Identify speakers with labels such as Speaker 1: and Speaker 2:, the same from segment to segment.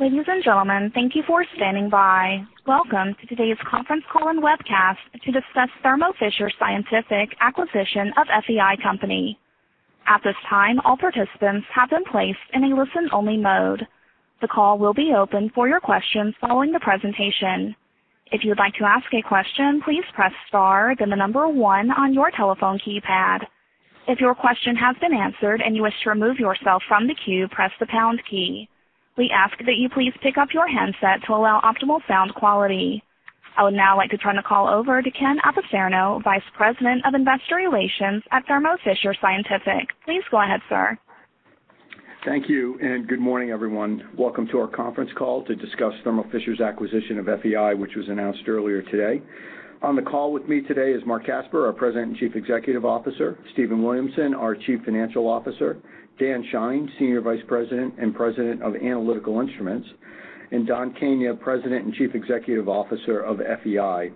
Speaker 1: Ladies and gentlemen, thank you for standing by. Welcome to today's conference call and webcast to discuss Thermo Fisher Scientific acquisition of FEI Company. At this time, all participants have been placed in a listen-only mode. The call will be open for your questions following the presentation. If you would like to ask a question, please press star then the number one on your telephone keypad. If your question has been answered and you wish to remove yourself from the queue, press the pound key. We ask that you please pick up your handset to allow optimal sound quality. I would now like to turn the call over to Ken Apicerno, Vice President of Investor Relations at Thermo Fisher Scientific. Please go ahead, sir.
Speaker 2: Thank you, and good morning, everyone. Welcome to our conference call to discuss Thermo Fisher's acquisition of FEI, which was announced earlier today. On the call with me today is Marc Casper, our President and Chief Executive Officer, Stephen Williamson, our Chief Financial Officer, Dan Shine, Senior Vice President and President of Analytical Instruments, and Don Kania, President and Chief Executive Officer of FEI.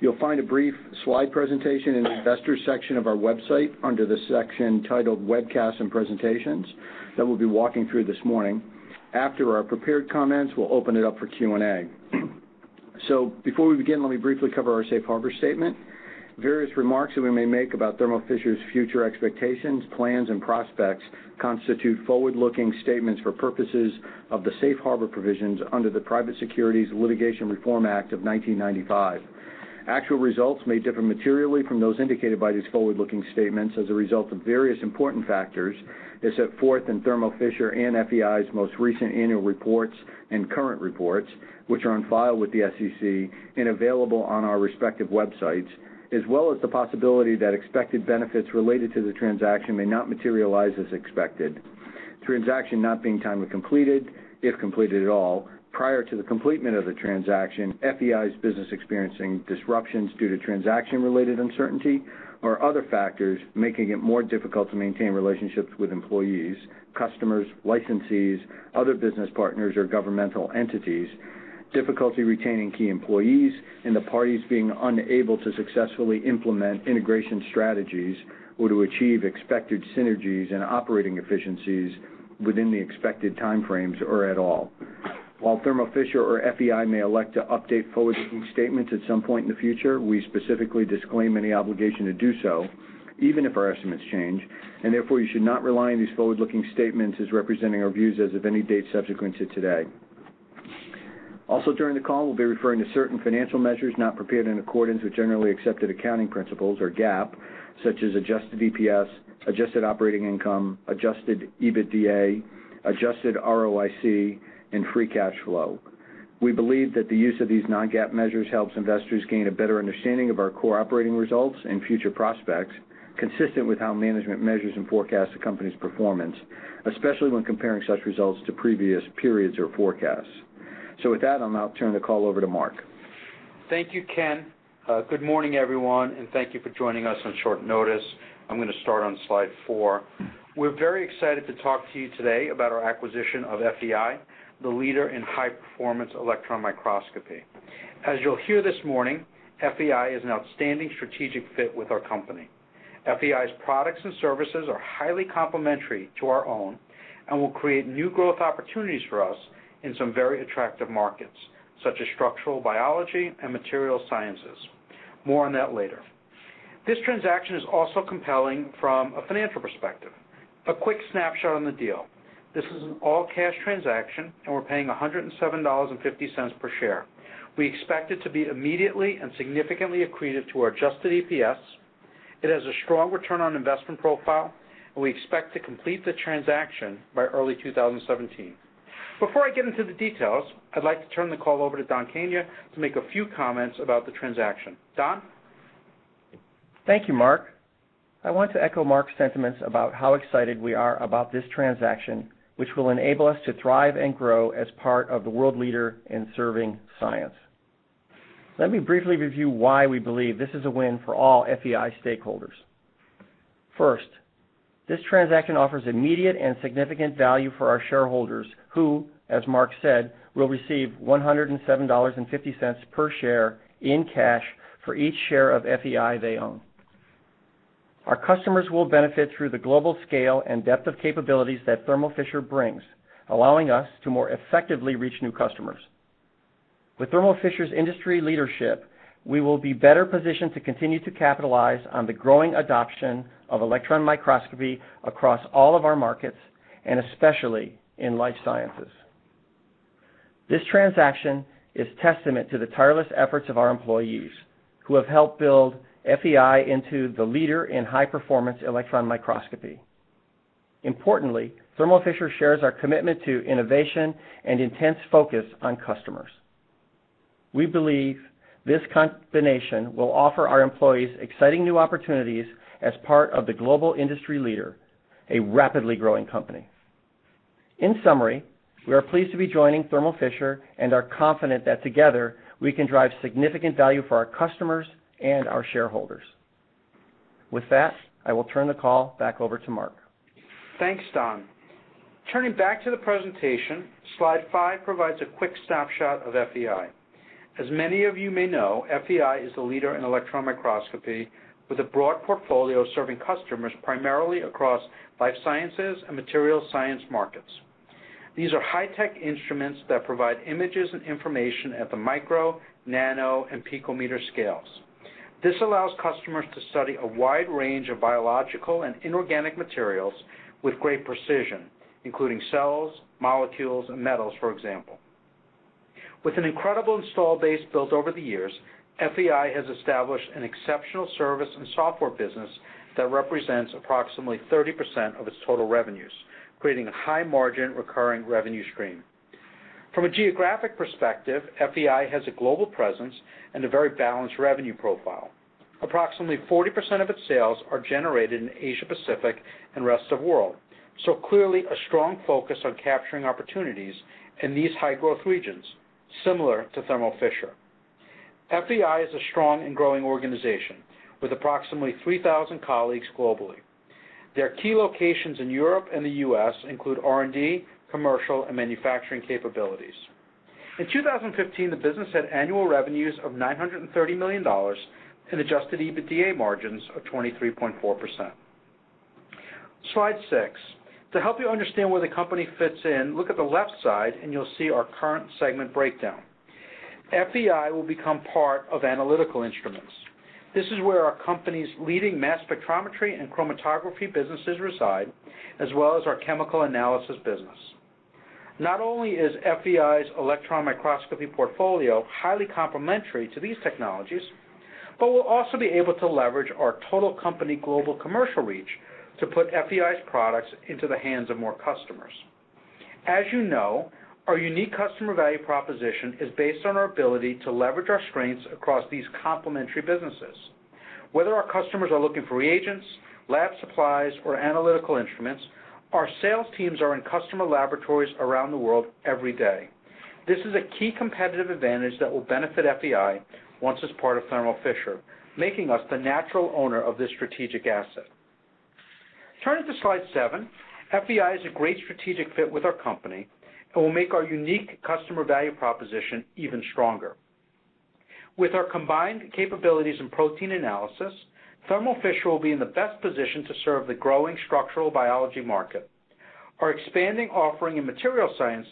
Speaker 2: You'll find a brief slide presentation in the investor section of our website under the section titled Webcast and Presentations that we'll be walking through this morning. After our prepared comments, we'll open it up for Q&A. Before we begin, let me briefly cover our safe harbor statement. Various remarks that we may make about Thermo Fisher's future expectations, plans, and prospects constitute forward-looking statements for purposes of the safe harbor provisions under the Private Securities Litigation Reform Act of 1995. Actual results may differ materially from those indicated by these forward-looking statements as a result of various important factors as set forth in Thermo Fisher and FEI's most recent annual reports and current reports, which are on file with the SEC and available on our respective websites, as well as the possibility that expected benefits related to the transaction may not materialize as expected. Transaction not being timely completed, if completed at all. Prior to the completion of the transaction, FEI's business experiencing disruptions due to transaction-related uncertainty or other factors, making it more difficult to maintain relationships with employees, customers, licensees, other business partners, or governmental entities. Difficulty retaining key employees, the parties being unable to successfully implement integration strategies or to achieve expected synergies and operating efficiencies within the expected time frames or at all. While Thermo Fisher or FEI may elect to update forward-looking statements at some point in the future, we specifically disclaim any obligation to do so, even if our estimates change. Therefore, you should not rely on these forward-looking statements as representing our views as of any date subsequent to today. Also, during the call, we'll be referring to certain financial measures not prepared in accordance with generally accepted accounting principles, or GAAP, such as adjusted EPS, adjusted operating income, adjusted EBITDA, adjusted ROIC, and free cash flow. We believe that the use of these non-GAAP measures helps investors gain a better understanding of our core operating results and future prospects, consistent with how management measures and forecasts the company's performance, especially when comparing such results to previous periods or forecasts. With that, I'll now turn the call over to Marc.
Speaker 3: Thank you, Ken. Good morning, everyone, thank you for joining us on short notice. I'm going to start on slide four. We're very excited to talk to you today about our acquisition of FEI, the leader in high-performance electron microscopy. As you'll hear this morning, FEI is an outstanding strategic fit with our company. FEI's products and services are highly complementary to our own and will create new growth opportunities for us in some very attractive markets, such as structural biology and material sciences. More on that later. This transaction is also compelling from a financial perspective. A quick snapshot on the deal. This is an all-cash transaction, we're paying $107.50 per share. We expect it to be immediately and significantly accretive to our adjusted EPS. It has a strong return on investment profile, we expect to complete the transaction by early 2017. Before I get into the details, I'd like to turn the call over to Don Kania to make a few comments about the transaction. Don?
Speaker 4: Thank you, Marc. I want to echo Marc's sentiments about how excited we are about this transaction, which will enable us to thrive and grow as part of the world leader in serving science. Let me briefly review why we believe this is a win for all FEI stakeholders. First, this transaction offers immediate and significant value for our shareholders who, as Marc said, will receive $107.50 per share in cash for each share of FEI they own. Our customers will benefit through the global scale and depth of capabilities that Thermo Fisher brings, allowing us to more effectively reach new customers. With Thermo Fisher's industry leadership, we will be better positioned to continue to capitalize on the growing adoption of electron microscopy across all of our markets and especially in life sciences. This transaction is testament to the tireless efforts of our employees, who have helped build FEI into the leader in high-performance electron microscopy. Importantly, Thermo Fisher shares our commitment to innovation and intense focus on customers. We believe this combination will offer our employees exciting new opportunities as part of the global industry leader, a rapidly growing company. In summary, we are pleased to be joining Thermo Fisher, are confident that together, we can drive significant value for our customers and our shareholders. With that, I will turn the call back over to Marc.
Speaker 3: Thanks, Don. Turning back to the presentation, slide five provides a quick snapshot of FEI. As many of you may know, FEI is the leader in electron microscopy with a broad portfolio serving customers primarily across life sciences and material science markets. These are high-tech instruments that provide images and information at the micro, nano, and picometer scales. This allows customers to study a wide range of biological and inorganic materials with great precision, including cells, molecules, and metals, for example. With an incredible install base built over the years, FEI has established an exceptional service and software business that represents approximately 30% of its total revenues, creating a high margin recurring revenue stream. From a geographic perspective, FEI has a global presence and a very balanced revenue profile. Approximately 40% of its sales are generated in Asia Pacific and rest of world. Clearly, a strong focus on capturing opportunities in these high growth regions, similar to Thermo Fisher. FEI is a strong and growing organization with approximately 3,000 colleagues globally. Their key locations in Europe and the U.S. include R&D, commercial, and manufacturing capabilities. In 2015, the business had annual revenues of $930 million and adjusted EBITDA margins of 23.4%. Slide six. To help you understand where the company fits in, look at the left side and you'll see our current segment breakdown. FEI will become part of Analytical Instruments. This is where our company's leading mass spectrometry and chromatography businesses reside, as well as our chemical analysis business. Not only is FEI's electron microscopy portfolio highly complementary to these technologies, but we'll also be able to leverage our total company global commercial reach to put FEI's products into the hands of more customers. As you know, our unique customer value proposition is based on our ability to leverage our strengths across these complementary businesses. Whether our customers are looking for reagents, lab supplies, or analytical instruments, our sales teams are in customer laboratories around the world every day. This is a key competitive advantage that will benefit FEI once it's part of Thermo Fisher, making us the natural owner of this strategic asset. Turning to slide seven, FEI is a great strategic fit with our company and will make our unique customer value proposition even stronger. With our combined capabilities in protein analysis, Thermo Fisher will be in the best position to serve the growing structural biology market. Our expanding offering in material science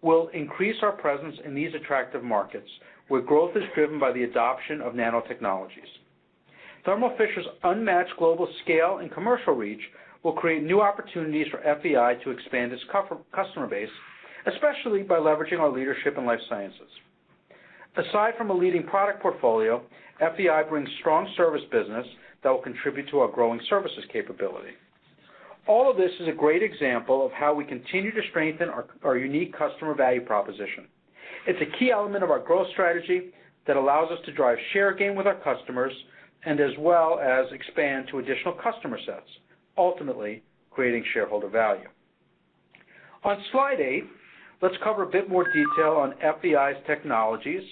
Speaker 3: will increase our presence in these attractive markets, where growth is driven by the adoption of nanotechnologies. Thermo Fisher's unmatched global scale and commercial reach will create new opportunities for FEI to expand its customer base, especially by leveraging our leadership in life sciences. Aside from a leading product portfolio, FEI brings strong service business that will contribute to our growing services capability. All of this is a great example of how we continue to strengthen our unique customer value proposition. It's a key element of our growth strategy that allows us to drive share gain with our customers and as well as expand to additional customer sets, ultimately creating shareholder value. On slide eight, let's cover a bit more detail on FEI's technologies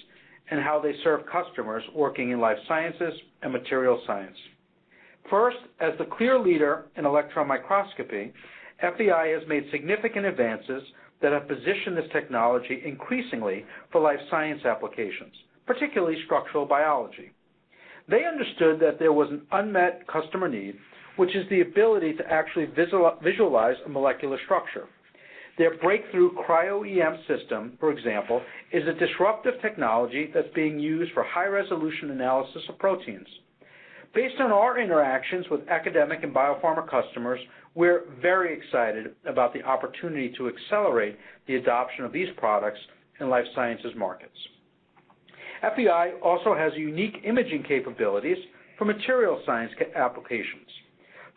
Speaker 3: and how they serve customers working in life sciences and material science. First, as the clear leader in electron microscopy, FEI has made significant advances that have positioned this technology increasingly for life science applications, particularly structural biology. They understood that there was an unmet customer need, which is the ability to actually visualize a molecular structure. Their breakthrough Cryo-EM system, for example, is a disruptive technology that's being used for high resolution analysis of proteins. Based on our interactions with academic and biopharma customers, we're very excited about the opportunity to accelerate the adoption of these products in life sciences markets. FEI also has unique imaging capabilities for material science applications.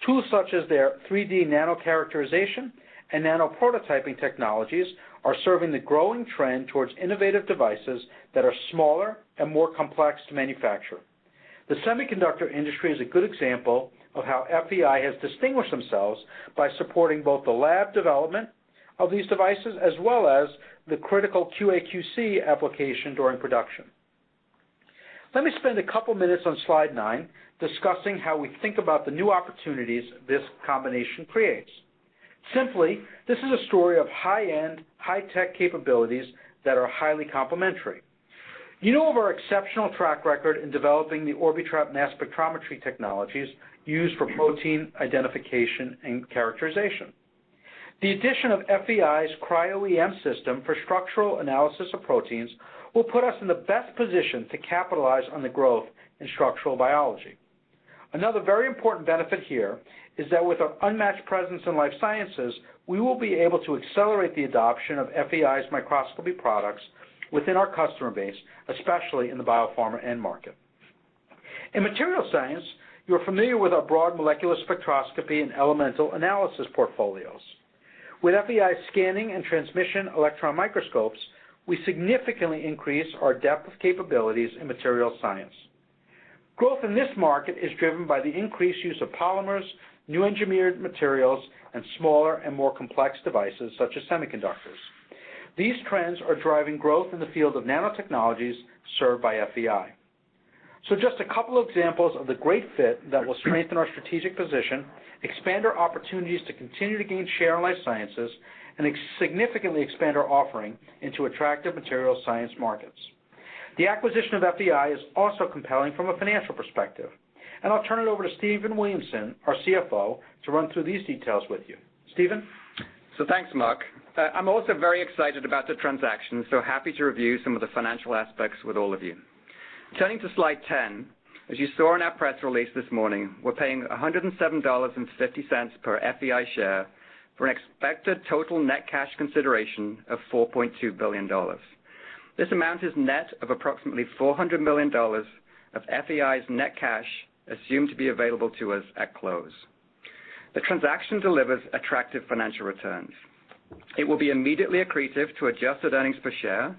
Speaker 3: Tools such as their 3D nano characterization and nanoprototyping technologies are serving the growing trend towards innovative devices that are smaller and more complex to manufacture. The semiconductor industry is a good example of how FEI has distinguished themselves by supporting both the lab development of these devices as well as the critical QA/QC application during production. Let me spend a couple minutes on slide nine discussing how we think about the new opportunities this combination creates. Simply, this is a story of high-end, high-tech capabilities that are highly complementary. You know of our exceptional track record in developing the Orbitrap mass spectrometry technologies used for protein identification and characterization. The addition of FEI's Cryo-EM system for structural analysis of proteins will put us in the best position to capitalize on the growth in structural biology. Another very important benefit here is that with our unmatched presence in life sciences, we will be able to accelerate the adoption of FEI's microscopy products within our customer base, especially in the biopharma end market. In material science, you're familiar with our broad molecular spectroscopy and elemental analysis portfolios. With FEI's scanning and transmission electron microscopes, we significantly increase our depth of capabilities in material science. Growth in this market is driven by the increased use of polymers, new engineered materials, and smaller and more complex devices, such as semiconductors. These trends are driving growth in the field of nanotechnologies served by FEI. Just a couple examples of the great fit that will strengthen our strategic position, expand our opportunities to continue to gain share in life sciences, and significantly expand our offering into attractive material science markets. The acquisition of FEI is also compelling from a financial perspective. I'll turn it over to Stephen Williamson, our CFO, to run through these details with you. Stephen?
Speaker 5: Thanks, Marc. I'm also very excited about the transaction, happy to review some of the financial aspects with all of you. Turning to slide 10, as you saw in our press release this morning, we're paying $107.50 per FEI share for an expected total net cash consideration of $4.2 billion. This amount is net of approximately $400 million of FEI's net cash assumed to be available to us at close. The transaction delivers attractive financial returns. It will be immediately accretive to adjusted earnings per share,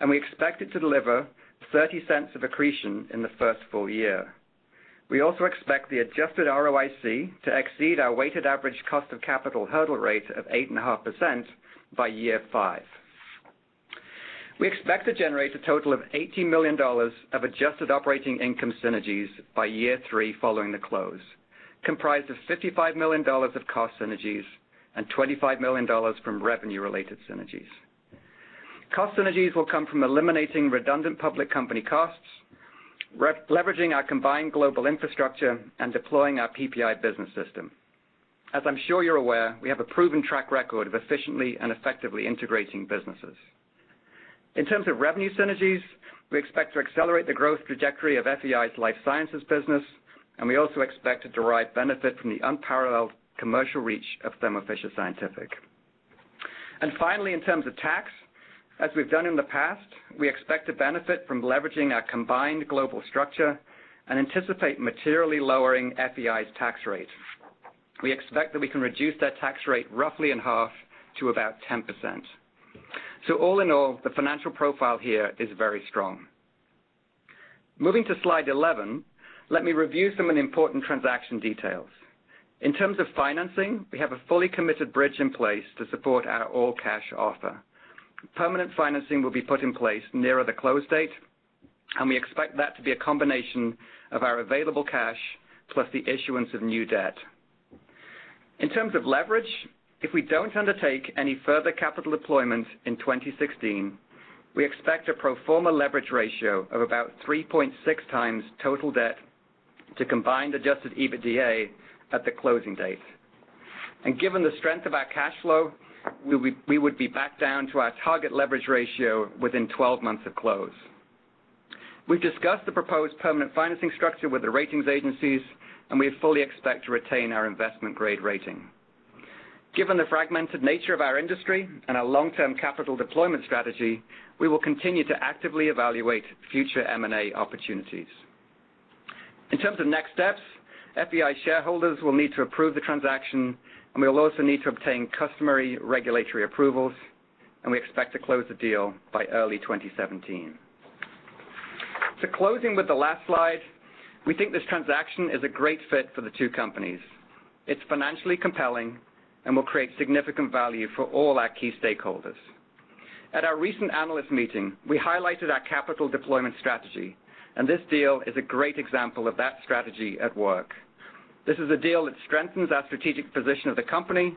Speaker 5: and we expect it to deliver $0.30 of accretion in the first full year. We also expect the adjusted ROIC to exceed our weighted average cost of capital hurdle rate of 8.5% by year five. We expect to generate a total of $80 million of adjusted operating income synergies by year three following the close, comprised of $55 million of cost synergies and $25 million from revenue-related synergies. Cost synergies will come from eliminating redundant public company costs, leveraging our combined global infrastructure, and deploying our PPI business system. As I'm sure you're aware, we have a proven track record of efficiently and effectively integrating businesses. In terms of revenue synergies, we expect to accelerate the growth trajectory of FEI's life sciences business, and we also expect to derive benefit from the unparalleled commercial reach of Thermo Fisher Scientific. Finally, in terms of tax, as we've done in the past, we expect to benefit from leveraging our combined global structure and anticipate materially lowering FEI's tax rate. We expect that we can reduce that tax rate roughly in half to about 10%. All in all, the financial profile here is very strong. Moving to slide 11, let me review some of the important transaction details. In terms of financing, we have a fully committed bridge in place to support our all-cash offer. Permanent financing will be put in place nearer the close date, and we expect that to be a combination of our available cash plus the issuance of new debt. In terms of leverage, if we don't undertake any further capital deployment in 2016, we expect a pro forma leverage ratio of about 3.6 times total debt to combined adjusted EBITDA at the closing date. Given the strength of our cash flow, we would be back down to our target leverage ratio within 12 months of close. We've discussed the proposed permanent financing structure with the ratings agencies, and we fully expect to retain our investment grade rating. Given the fragmented nature of our industry and our long-term capital deployment strategy, we will continue to actively evaluate future M&A opportunities. In terms of next steps, FEI shareholders will need to approve the transaction, and we will also need to obtain customary regulatory approvals, and we expect to close the deal by early 2017. Closing with the last slide, we think this transaction is a great fit for the two companies. It's financially compelling and will create significant value for all our key stakeholders. At our recent analyst meeting, we highlighted our capital deployment strategy, and this deal is a great example of that strategy at work. This is a deal that strengthens our strategic position of the company,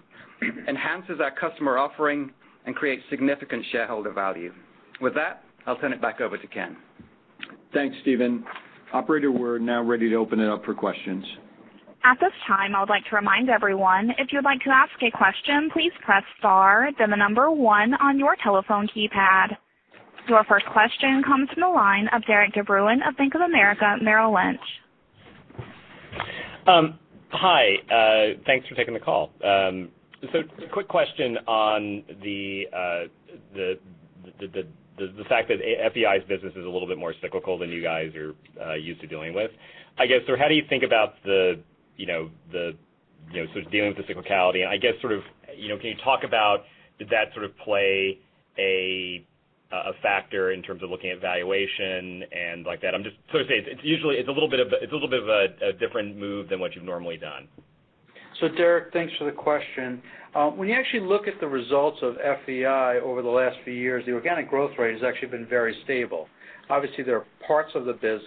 Speaker 5: enhances our customer offering, and creates significant shareholder value. With that, I'll turn it back over to Ken.
Speaker 3: Thanks, Stephen. Operator, we're now ready to open it up for questions.
Speaker 1: At this time, I would like to remind everyone, if you would like to ask a question, please press star, then the number one on your telephone keypad. Your first question comes from the line of Derik DeBruin of Bank of America Merrill Lynch.
Speaker 6: Hi. Thanks for taking the call. Quick question on the fact that FEI's business is a little bit more cyclical than you guys are used to dealing with. I guess, how do you think about sort of dealing with the cyclicality? I guess, sort of, can you talk about, did that sort of play a factor in terms of looking at valuation and like that? I'm just sort of saying, it's a little bit of a different move than what you've normally done.
Speaker 3: Derik, thanks for the question. When you actually look at the results of FEI over the last few years, the organic growth rate has actually been very stable. Obviously, there are parts of the business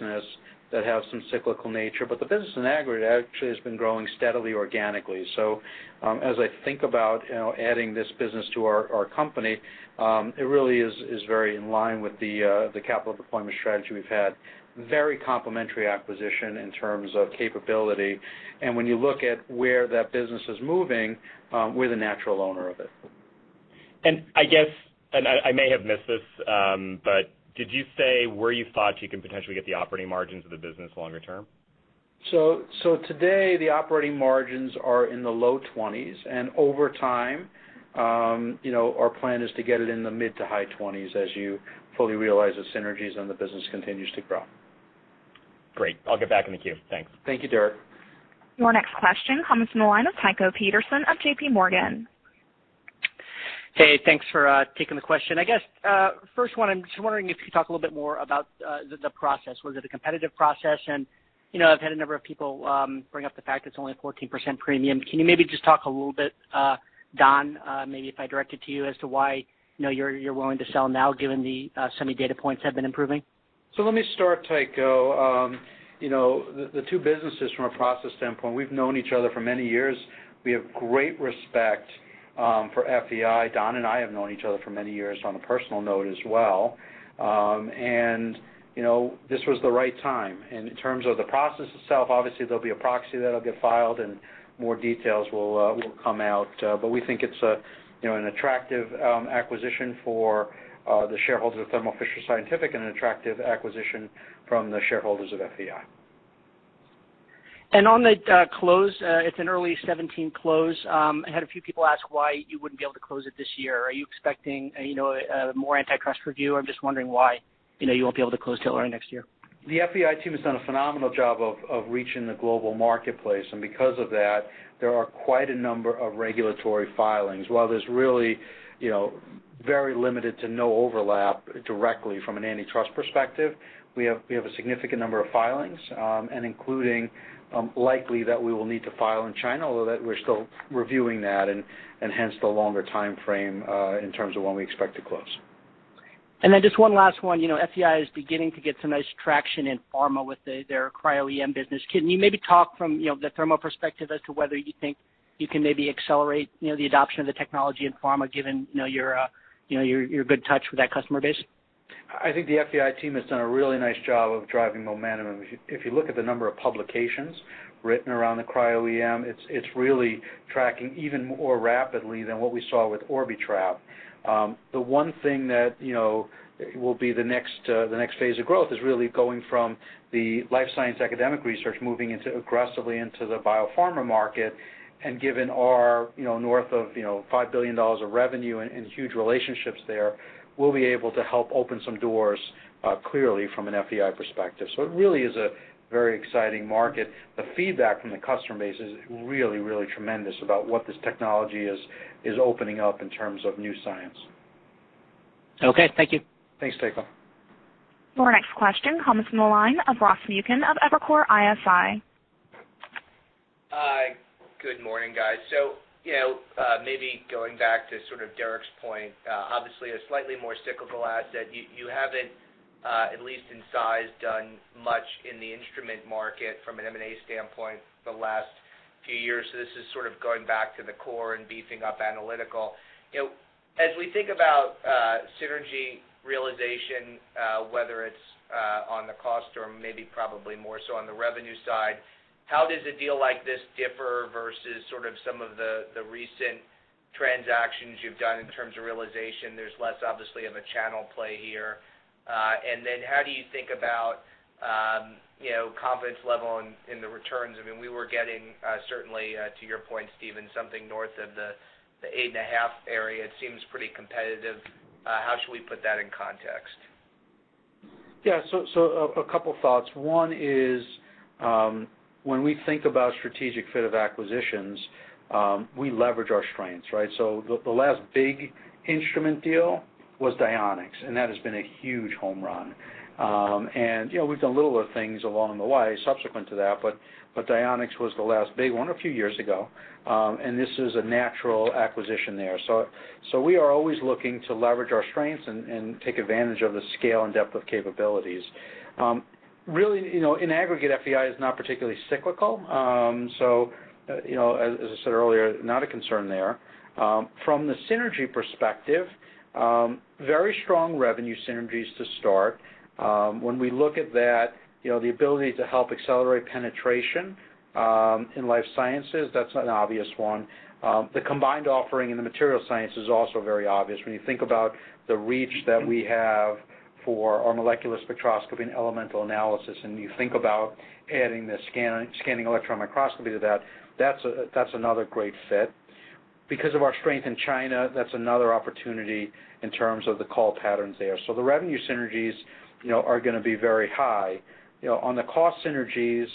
Speaker 3: that have some cyclical nature, but the business in aggregate actually has been growing steadily organically. As I think about adding this business to our company, it really is very in line with the capital deployment strategy we've had. Very complementary acquisition in terms of capability. And when you look at where that business is moving, we're the natural owner of it.
Speaker 6: I guess, and I may have missed this, but did you say where you thought you can potentially get the operating margins of the business longer term?
Speaker 3: The operating margins are in the low 20s, and over time, our plan is to get it in the mid to high 20s as you fully realize the synergies and the business continues to grow.
Speaker 6: Great. I will get back in the queue. Thanks.
Speaker 3: Thank you, Derik.
Speaker 1: Your next question comes from the line of Tycho Peterson of J.P. Morgan.
Speaker 7: Hey, thanks for taking the question. I guess, first one, I'm just wondering if you could talk a little bit more about the process. Was it a competitive process and I've had a number of people bring up the fact it's only a 14% premium. Can you maybe just talk a little bit, Don, maybe if I direct it to you, as to why you're willing to sell now given the semi-data points have been improving?
Speaker 3: Let me start, Tycho. The two businesses from a process standpoint, we've known each other for many years. We have great respect for FEI. Don and I have known each other for many years on a personal note as well. This was the right time. In terms of the process itself, obviously there'll be a proxy that'll get filed and more details will come out. We think it's an attractive acquisition for the shareholders of Thermo Fisher Scientific and an attractive acquisition from the shareholders of FEI.
Speaker 7: On the close, it's an early 2017 close. I had a few people ask why you wouldn't be able to close it this year. Are you expecting a more antitrust review? I'm just wondering why you won't be able to close till early next year.
Speaker 3: The FEI team has done a phenomenal job of reaching the global marketplace, and because of that, there are quite a number of regulatory filings. While there's really very limited to no overlap directly from an antitrust perspective, we have a significant number of filings, and including likely that we will need to file in China, although that we're still reviewing that, and hence the longer timeframe in terms of when we expect to close.
Speaker 7: Just one last one. FEI is beginning to get some nice traction in pharma with their Cryo-EM business. Can you maybe talk from the Thermo perspective as to whether you think you can maybe accelerate the adoption of the technology in pharma given your good touch with that customer base?
Speaker 3: I think the FEI team has done a really nice job of driving momentum. If you look at the number of publications written around the Cryo-EM, it's really tracking even more rapidly than what we saw with Orbitrap. The one thing that will be the next phase of growth is really going from the life science academic research, moving aggressively into the biopharma market. Given our north of $5 billion of revenue and huge relationships there, we'll be able to help open some doors clearly from an FEI perspective. It really is a very exciting market. The feedback from the customer base is really tremendous about what this technology is opening up in terms of new science.
Speaker 7: Okay. Thank you.
Speaker 3: Thanks, Tycho.
Speaker 1: Your next question comes from the line of Ross Muken of Evercore ISI.
Speaker 8: Hi, good morning, guys. Maybe going back to sort of Derik's point, obviously a slightly more cyclical asset. You haven't, at least in size, done much in the instrument market from an M&A standpoint the last few years. This is sort of going back to the core and beefing up Analytical. As we think about synergy realization, whether it's on the cost or maybe probably more so on the revenue side, how does a deal like this differ versus some of the recent transactions you've done in terms of realization? There's less obviously of a channel play here. How do you think about confidence level in the returns? We were getting certainly, to your point, Stephen, something north of the 8.5 area. It seems pretty competitive. How should we put that in context?
Speaker 3: Yeah. A couple thoughts. One is when we think about strategic fit of acquisitions, we leverage our strengths, right? The last big instrument deal was Dionex, and that has been a huge home run. We've done little things along the way subsequent to that, but Dionex was the last big one a few years ago. This is a natural acquisition there. We are always looking to leverage our strengths and take advantage of the scale and depth of capabilities. Really, in aggregate, FEI is not particularly cyclical. As I said earlier, not a concern there. From the synergy perspective, very strong revenue synergies to start. When we look at that, the ability to help accelerate penetration in life sciences, that's an obvious one. The combined offering in the material science is also very obvious. When you think about the reach that we have for our molecular spectroscopy and elemental analysis, and you think about adding the scanning electron microscopy to that's another great fit. Because of our strength in China, that's another opportunity in terms of the call patterns there. The revenue synergies are going to be very high. On the cost synergies,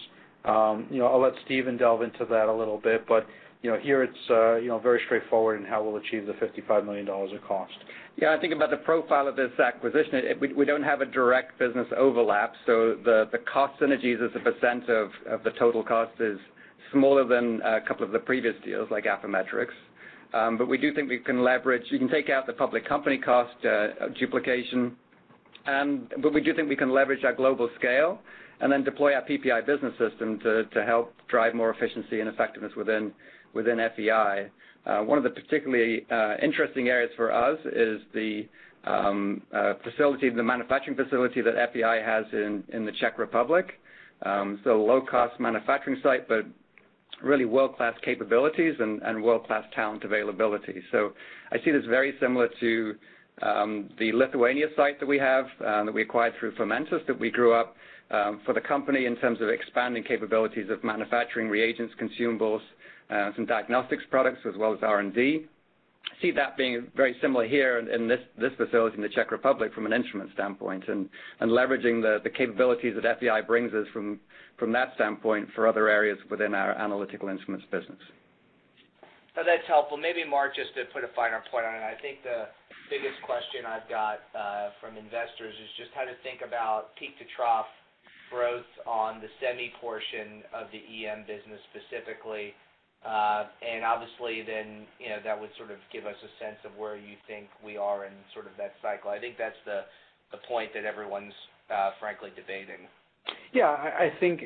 Speaker 3: I'll let Stephen delve into that a little bit, but here it's very straightforward in how we'll achieve the $55 million of cost.
Speaker 5: Yeah, I think about the profile of this acquisition, we don't have a direct business overlap, so the cost synergies as a percent of the total cost is smaller than a couple of the previous deals, like Affymetrix. We do think we can take out the public company cost duplication, but we do think we can leverage our global scale and then deploy our PPI business system to help drive more efficiency and effectiveness within FEI. One of the particularly interesting areas for us is the manufacturing facility that FEI has in the Czech Republic. Low-cost manufacturing site, but really world-class capabilities and world-class talent availability. I see this very similar to the Lithuania site that we have, that we acquired through Fermentas that we grew up for the company in terms of expanding capabilities of manufacturing reagents, consumables, some diagnostics products, as well as R&D. See that being very similar here in this facility in the Czech Republic from an instrument standpoint, and leveraging the capabilities that FEI brings us from that standpoint for other areas within our analytical instruments business.
Speaker 8: That's helpful. Maybe, Marc, just to put a finer point on it, I think the biggest question I've got from investors is just how to think about peak-to-trough growth on the semi portion of the EM business specifically. Obviously, that would give us a sense of where you think we are in that cycle. I think that's the point that everyone's frankly debating.
Speaker 3: Yeah, I think,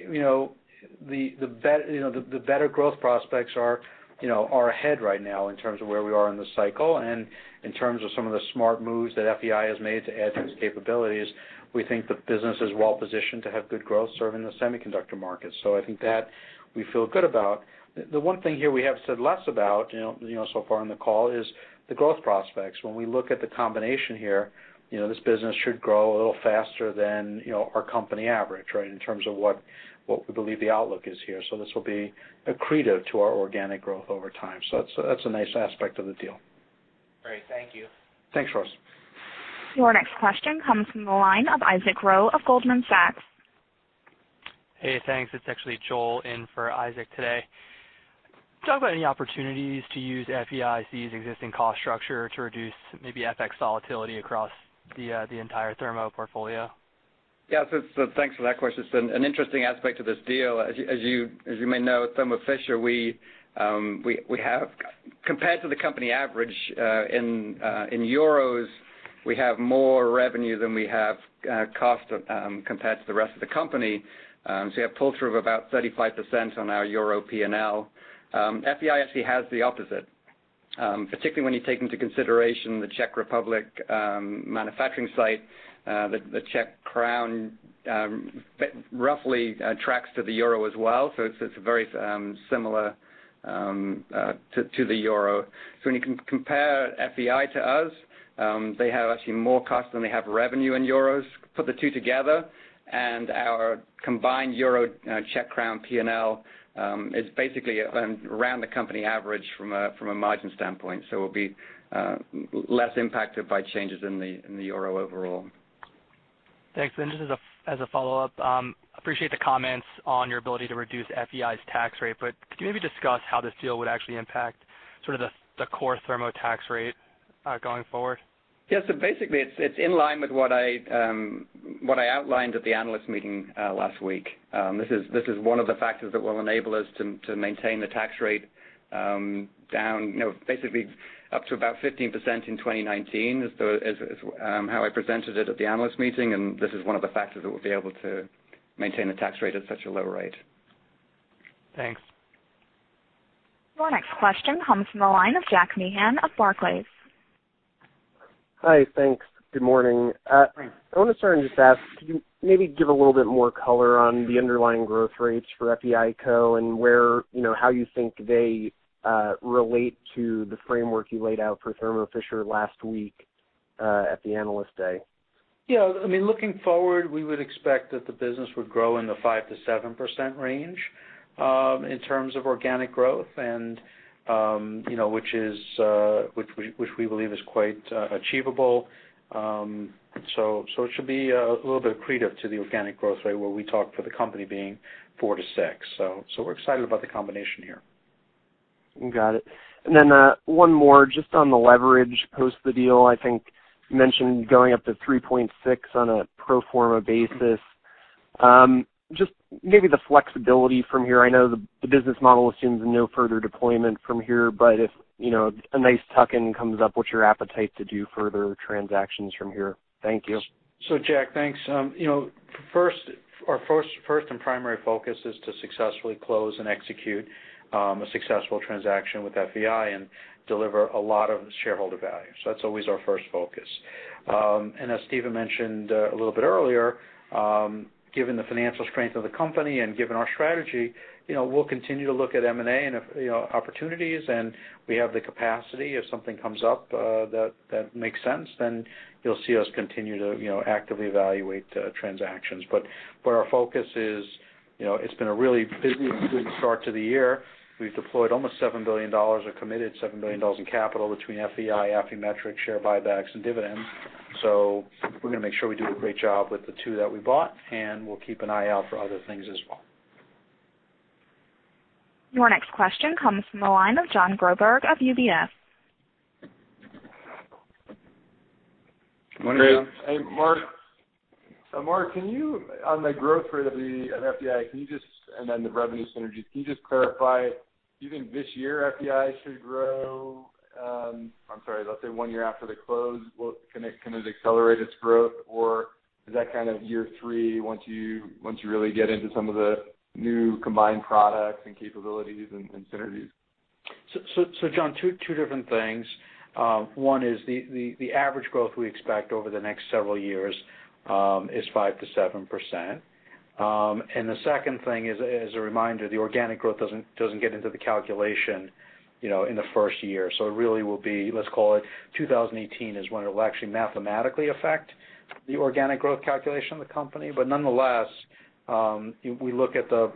Speaker 3: the better growth prospects are ahead right now in terms of where we are in the cycle, and in terms of some of the smart moves that FEI has made to add to its capabilities. We think the business is well-positioned to have good growth serving the semiconductor market. I think that we feel good about. The one thing here we have said less about so far in the call is the growth prospects. When we look at the combination here, this business should grow a little faster than our company average, in terms of what we believe the outlook is here. This will be accretive to our organic growth over time. That's a nice aspect of the deal.
Speaker 8: Great. Thank you.
Speaker 3: Thanks, Ross.
Speaker 1: Your next question comes from the line of Isaac Ro of Goldman Sachs.
Speaker 9: Hey, thanks. It's actually Joel in for Isaac today. Talk about any opportunities to use FEI's existing cost structure to reduce maybe FX volatility across the entire Thermo portfolio.
Speaker 5: Yeah. Thanks for that question. It's an interesting aspect of this deal. As you may know, at Thermo Fisher Scientific, compared to the company average, in EUR, we have more revenue than we have cost compared to the rest of the company. You have pull-through of about 35% on our EUR P&L. FEI Company actually has the opposite. Particularly when you take into consideration the Czech Republic manufacturing site, the Czech koruna roughly tracks to the EUR as well, so it's very similar to the EUR. When you compare FEI Company to us, they have actually more cost than they have revenue in EUR. Put the two together, and our combined EUR, Czech koruna P&L is basically around the company average from a margin standpoint. We'll be less impacted by changes in the EUR overall.
Speaker 9: Thanks. Just as a follow-up, appreciate the comments on your ability to reduce FEI Company's tax rate. Could you maybe discuss how this deal would actually impact the core Thermo Fisher Scientific tax rate going forward?
Speaker 5: Yeah. Basically, it's in line with what I outlined at the analyst meeting last week. This is one of the factors that will enable us to maintain the tax rate down, basically up to about 15% in 2019, is how I presented it at the analyst meeting. This is one of the factors that we'll be able to maintain the tax rate at such a low rate.
Speaker 9: Thanks.
Speaker 1: Your next question comes from the line of Jack Meehan of Barclays.
Speaker 10: Hi, thanks. Good morning.
Speaker 5: Hi.
Speaker 10: I want to start and just ask, can you maybe give a little bit more color on the underlying growth rates for FEI Co. and how you think they relate to the framework you laid out for Thermo Fisher last week at the Analyst Day?
Speaker 3: Yeah. Looking forward, we would expect that the business would grow in the 5%-7% range in terms of organic growth, which we believe is quite achievable. It should be a little bit accretive to the organic growth rate, where we talk for the company being 4%-6%. We're excited about the combination here.
Speaker 10: Got it. Then, one more, just on the leverage post the deal. I think you mentioned going up to 3.6 on a pro forma basis. Just maybe the flexibility from here. I know the business model assumes no further deployment from here, but if a nice tuck-in comes up, what's your appetite to do further transactions from here? Thank you.
Speaker 3: Jack, thanks. Our first and primary focus is to successfully close and execute a successful transaction with FEI and deliver a lot of shareholder value. That's always our first focus. And as Stephen mentioned a little bit earlier, given the financial strength of the company and given our strategy, we'll continue to look at M&A opportunities, and we have the capacity. If something comes up that makes sense, then you'll see us continue to actively evaluate transactions. But our focus is, it's been a really busy and good start to the year. We've deployed almost $7 billion or committed $7 billion in capital between FEI, Affymetrix, share buybacks, and dividends. We're going to make sure we do a great job with the two that we bought, and we'll keep an eye out for other things as well.
Speaker 1: Your next question comes from the line of Jonathan Groberg of UBS.
Speaker 5: Good morning, John.
Speaker 11: Hey, Marc. Marc, on the growth rate of FEI, and then the revenue synergies, can you just clarify, do you think this year FEI should grow. I'm sorry, let's say one year after the close, can it accelerate its growth, or is that kind of year three, once you really get into some of the new combined products and capabilities and synergies?
Speaker 3: John, two different things. One is the average growth we expect over the next several years is 5%-7%. The second thing is, as a reminder, the organic growth doesn't get into the calculation in the first year. It really will be, let's call it, 2018 is when it'll actually mathematically affect the organic growth calculation of the company. Nonetheless, we look at the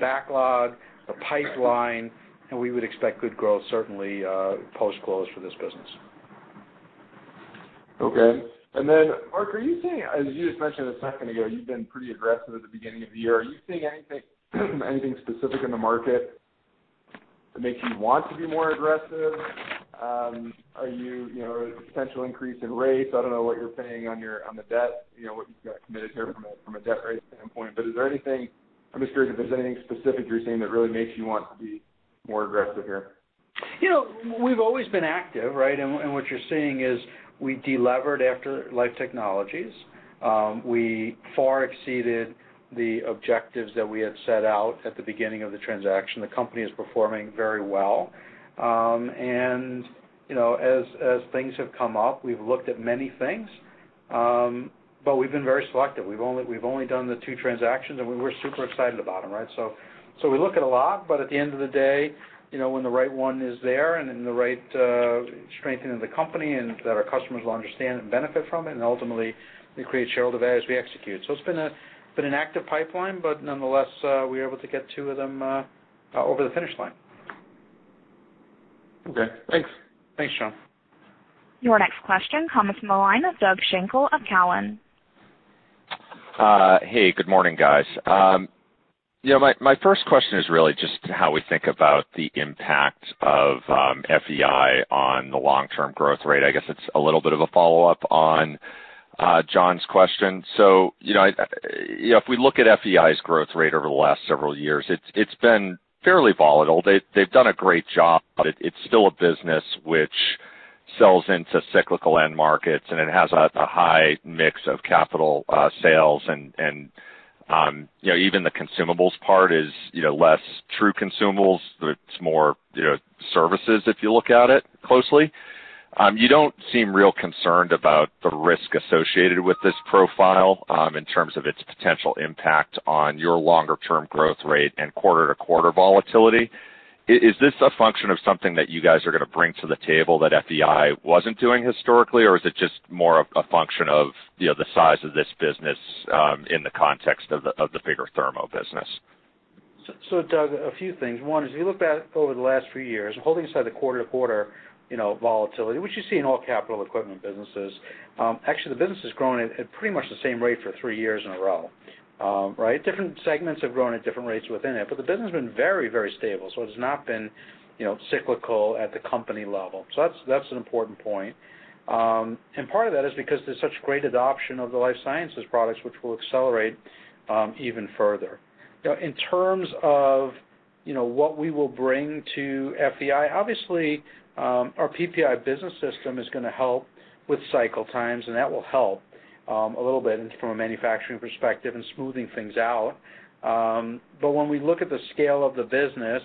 Speaker 3: backlog, the pipeline, and we would expect good growth, certainly post-close for this business.
Speaker 11: Okay. Marc, are you seeing, as you just mentioned a second ago, you've been pretty aggressive at the beginning of the year. Potential increase in rates? I don't know what you're paying on the debt, what you've got committed here from a debt rate standpoint. Is there anything, I'm just curious if there's anything specific you're seeing that really makes you want to be more aggressive here?
Speaker 3: We've always been active, right? What you're seeing is we de-levered after Life Technologies. We far exceeded the objectives that we had set out at the beginning of the transaction. The company is performing very well. As things have come up, we've looked at many things, we've been very selective. We've only done the two transactions, we're super excited about them, right? We look at a lot, at the end of the day, when the right one is there and in the right strengthening of the company, our customers will understand and benefit from it, ultimately we create shareholder value as we execute. It's been an active pipeline, nonetheless, we were able to get two of them over the finish line.
Speaker 11: Okay, thanks.
Speaker 3: Thanks, John.
Speaker 1: Your next question comes from the line of Doug Schenkel of Cowen.
Speaker 12: Hey, good morning, guys. My first question is really just how we think about the impact of FEI on the long-term growth rate. I guess it's a little bit of a follow-up on John's question. If we look at FEI's growth rate over the last several years, it's been fairly volatile. They've done a great job, but it's still a business which sells into cyclical end markets, and it has a high mix of capital sales and even the consumables part is less true consumables. It's more services, if you look at it closely. You don't seem real concerned about the risk associated with this profile in terms of its potential impact on your longer-term growth rate and quarter-to-quarter volatility. Is this a function of something that you guys are going to bring to the table that FEI wasn't doing historically, or is it just more of a function of the size of this business in the context of the bigger Thermo business?
Speaker 3: Doug, a few things. One, you look back over the last 3 years, holding aside the quarter-to-quarter volatility which you see in all capital equipment businesses, actually the business has grown at pretty much the same rate for 3 years in a row. Different segments have grown at different rates within it, but the business has been very, very stable, so it has not been cyclical at the company level. That's an important point. Part of that is because there's such great adoption of the life sciences products, which will accelerate even further. In terms of what we will bring to FEI, obviously, our PPI business system is going to help with cycle times, and that will help a little bit from a manufacturing perspective and smoothing things out. When we look at the scale of the business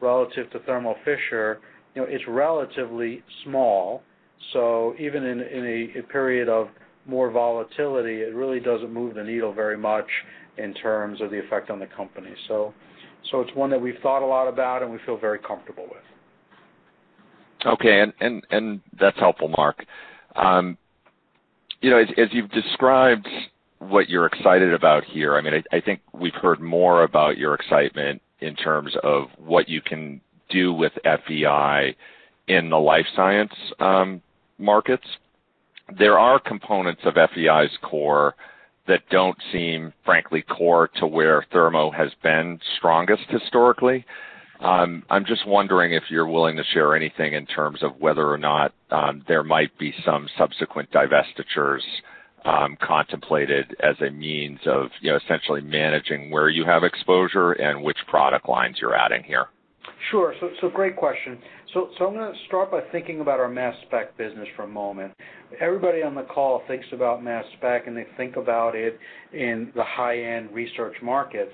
Speaker 3: relative to Thermo Fisher, it's relatively small. Even in a period of more volatility, it really doesn't move the needle very much in terms of the effect on the company. It's one that we've thought a lot about and we feel very comfortable with.
Speaker 12: Okay. That's helpful, Marc. As you've described what you're excited about here, I think we've heard more about your excitement in terms of what you can do with FEI in the life science markets. There are components of FEI's core that don't seem frankly core to where Thermo has been strongest historically. I'm just wondering if you're willing to share anything in terms of whether or not there might be some subsequent divestitures contemplated as a means of essentially managing where you have exposure and which product lines you're adding here.
Speaker 3: Sure. Great question. I'm going to start by thinking about our mass spec business for a moment. Everybody on the call thinks about mass spec, and they think about it in the high-end research market.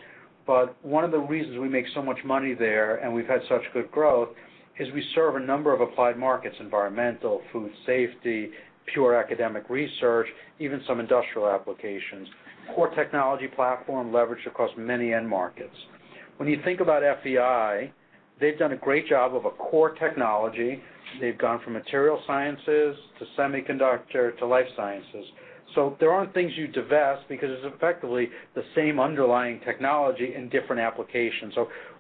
Speaker 3: One of the reasons we make so much money there and we've had such good growth is we serve a number of applied markets, environmental, food safety, pure academic research, even some industrial applications. Core technology platform leverage across many end markets. When you think about FEI, they've done a great job of a core technology. They've gone from material sciences to semiconductor to life sciences. There aren't things you divest because it's effectively the same underlying technology in different applications.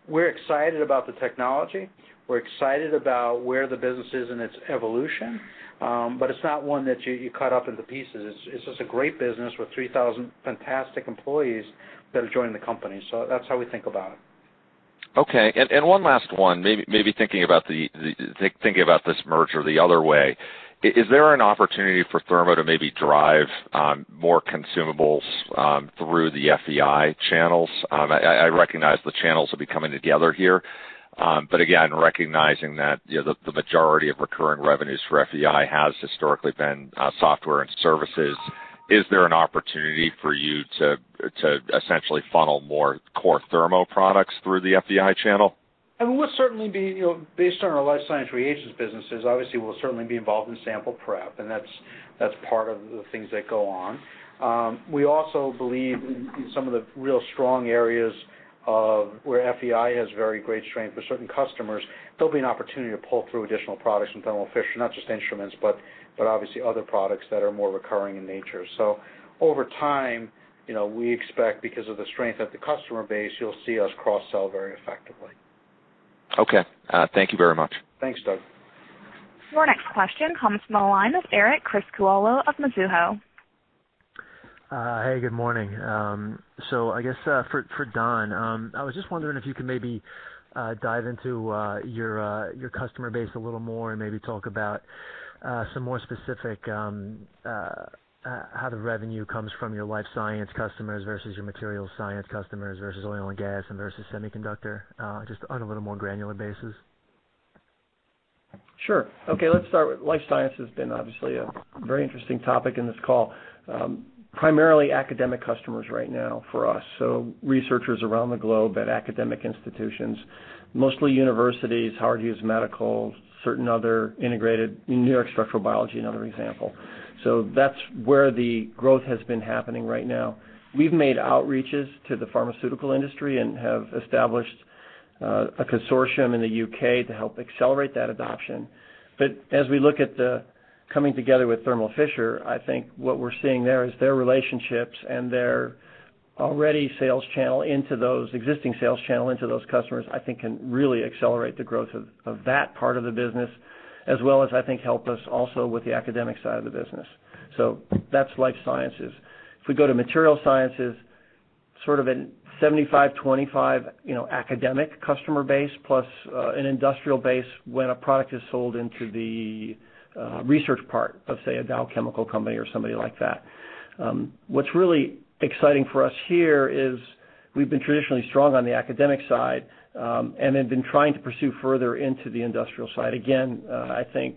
Speaker 3: We're excited about the technology. We're excited about where the business is in its evolution. It's not one that you cut up into pieces. It's just a great business with 3,000 fantastic employees that have joined the company. That's how we think about it.
Speaker 12: Okay. One last one, maybe thinking about this merger the other way. Is there an opportunity for Thermo to maybe drive more consumables through the FEI channels? I recognize the channels will be coming together here. Again, recognizing that the majority of recurring revenues for FEI has historically been software and services, is there an opportunity for you to essentially funnel more core Thermo products through the FEI channel?
Speaker 3: Based on our life science reagents businesses, obviously we'll certainly be involved in sample prep, and that's part of the things that go on. We also believe in some of the real strong areas where FEI has very great strength with certain customers, there'll be an opportunity to pull through additional products from Thermo Fisher, not just instruments, but obviously other products that are more recurring in nature. Over time, we expect because of the strength of the customer base, you'll see us cross-sell very effectively.
Speaker 12: Okay. Thank you very much.
Speaker 3: Thanks, Doug.
Speaker 1: Your next question comes from the line of Erin Wright of Mizuho.
Speaker 13: Hey, good morning. I guess, for Don, I was just wondering if you could maybe dive into your customer base a little more and maybe talk about some more specific, how the revenue comes from your life science customers versus your material science customers versus oil and gas and versus semiconductor, just on a little more granular basis.
Speaker 4: Sure. Okay. Let's start with life science has been obviously a very interesting topic in this call. Primarily academic customers right now for us, researchers around the globe at academic institutions, mostly universities, Howard Hughes Medical Institute, certain other integrated, New York Structural Biology Center, another example. That's where the growth has been happening right now. We've made outreaches to the pharmaceutical industry and have established a consortium in the U.K. to help accelerate that adoption. As we look at the coming together with Thermo Fisher Scientific, I think what we're seeing there is their relationships and their already existing sales channel into those customers, I think, can really accelerate the growth of that part of the business, as well as, I think, help us also with the academic side of the business. That's life sciences. If we go to material sciences, sort of a 75, 25 academic customer base plus an industrial base when a product is sold into the research part of, say, a Dow Chemical Company or somebody like that. What's really exciting for us here is we've been traditionally strong on the academic side, and then been trying to pursue further into the industrial side. Again, I think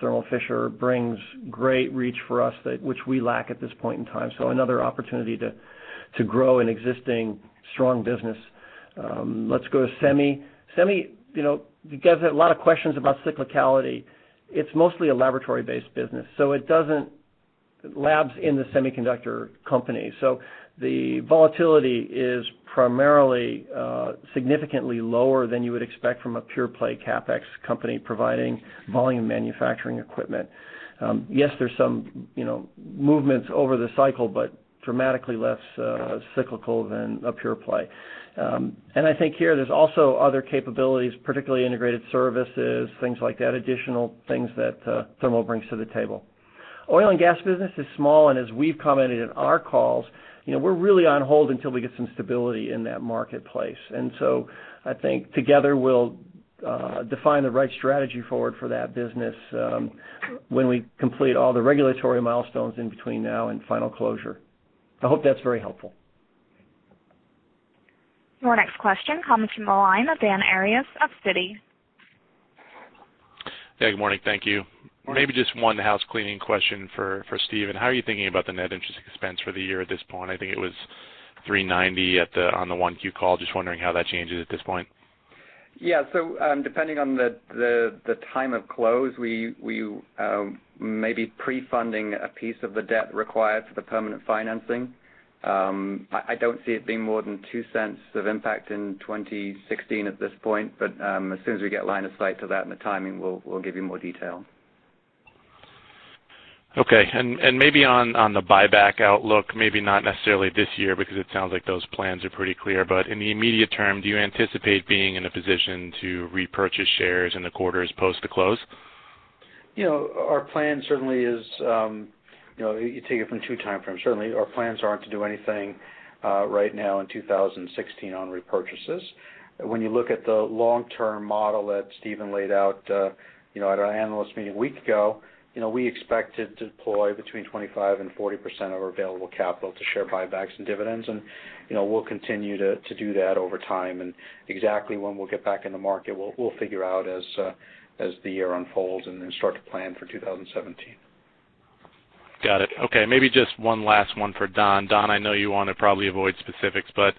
Speaker 4: Thermo Fisher brings great reach for us that which we lack at this point in time. Another opportunity to grow an existing strong business. Let's go to semi. Semi, you guys had a lot of questions about cyclicality. It's mostly a laboratory-based business, labs in the semiconductor company. The volatility is primarily, significantly lower than you would expect from a pure-play CapEx company providing volume manufacturing equipment. Yes, there's some movements over the cycle, but dramatically less cyclical than a pure play. I think here, there's also other capabilities, particularly integrated services, things like that, additional things that Thermo Fisher brings to the table. Oil and gas business is small, and as we've commented in our calls, we're really on hold until we get some stability in that marketplace. I think together we'll define the right strategy forward for that business when we complete all the regulatory milestones in between now and final closure. I hope that's very helpful.
Speaker 1: Your next question comes from the line of Dan Arias of Citi.
Speaker 14: Hey, good morning. Thank you.
Speaker 3: Morning.
Speaker 14: Maybe just one housecleaning question for Stephen. How are you thinking about the net interest expense for the year at this point? I think it was $390 on the 1Q call. Just wondering how that changes at this point.
Speaker 5: Yeah. Depending on the time of close, we may be pre-funding a piece of the debt required for the permanent financing. I don't see it being more than $0.02 of impact in 2016 at this point. As soon as we get line of sight to that and the timing, we'll give you more detail.
Speaker 14: Okay. Maybe on the buyback outlook, maybe not necessarily this year, because it sounds like those plans are pretty clear, but in the immediate term, do you anticipate being in a position to repurchase shares in the quarters post the close?
Speaker 3: Our plan certainly is, you take it from two time frames. Certainly, our plans aren't to do anything right now in 2016 on repurchases. When you look at the long-term model that Stephen laid out at our analyst meeting a week ago, we expect to deploy between 25% and 40% of our available capital to share buybacks and dividends. We'll continue to do that over time, and exactly when we'll get back in the market, we'll figure out as the year unfolds and then start to plan for 2017.
Speaker 14: Got it. Okay. Maybe just one last one for Don. Don, I know you want to probably avoid specifics, but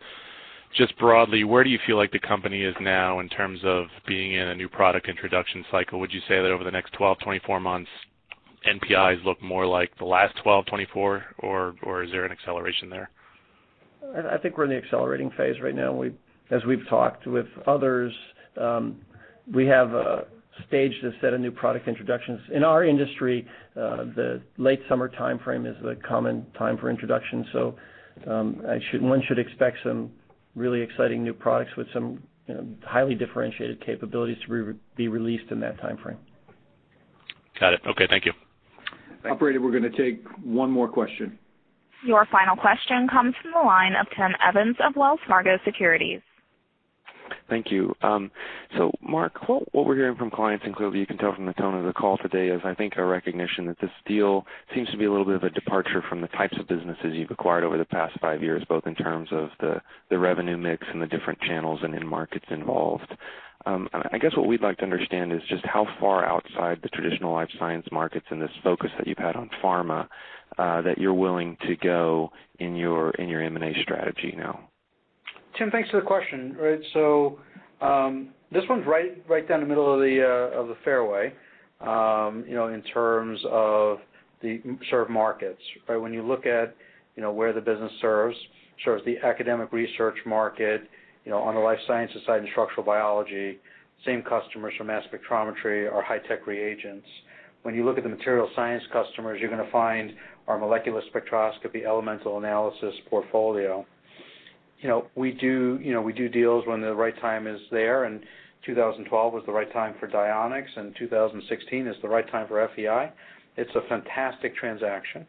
Speaker 14: just broadly, where do you feel like the company is now in terms of being in a new product introduction cycle? Would you say that over the next 12, 24 months, NPIs look more like the last 12, 24, or is there an acceleration there?
Speaker 4: I think we're in the accelerating phase right now. As we've talked with others, we have staged a set of new product introductions. In our industry, the late summer timeframe is the common time for introduction, so one should expect some really exciting new products with some highly differentiated capabilities to be released in that timeframe.
Speaker 14: Got it. Okay. Thank you.
Speaker 3: Operator, we're going to take one more question.
Speaker 1: Your final question comes from the line of Tim Evans of Wells Fargo Securities.
Speaker 15: Thank you. Marc, what we're hearing from clients, and clearly you can tell from the tone of the call today, is I think a recognition that this deal seems to be a little bit of a departure from the types of businesses you've acquired over the past five years, both in terms of the revenue mix and the different channels and end markets involved. I guess what we'd like to understand is just how far outside the traditional life science markets and this focus that you've had on pharma, that you're willing to go in your M&A strategy now.
Speaker 3: Tim, thanks for the question. Right. This one's right down the middle of the fairway in terms of the sort of markets. When you look at where the business serves the academic research market on the life sciences side and structural biology, same customers from mass spectrometry or high-tech reagents. When you look at the material science customers, you're going to find our molecular spectroscopy elemental analysis portfolio. We do deals when the right time is there, 2012 was the right time for Dionex, and 2016 is the right time for FEI. It's a fantastic transaction.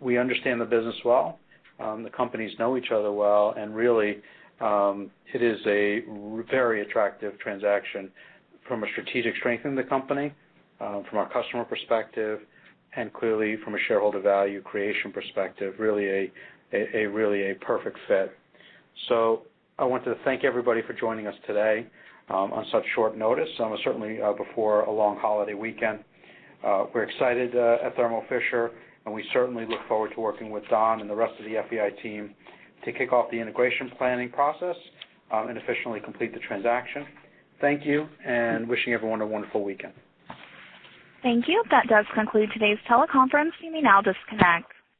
Speaker 3: We understand the business well. The companies know each other well, really, it is a very attractive transaction from a strategic strength in the company, from our customer perspective, and clearly from a shareholder value creation perspective, really a perfect fit. I want to thank everybody for joining us today on such short notice, certainly before a long holiday weekend. We're excited at Thermo Fisher, we certainly look forward to working with Don and the rest of the FEI team to kick off the integration planning process and officially complete the transaction. Thank you, wishing everyone a wonderful weekend.
Speaker 1: Thank you. That does conclude today's teleconference. You may now disconnect.